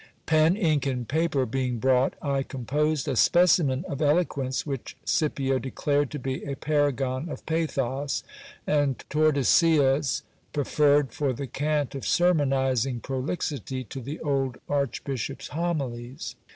Pen, ink, and paper being brought, I composed a specimen of eloquence which Scipio declared to be a paragon of pathos, and Tordesillas peferred, for the cant of sermonizing prolixity, to the old archbishop's homilies.